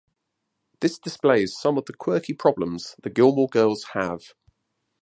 This displays some of the quirky problems the Gilmore girls have.